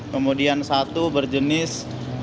kemudian satu berjenis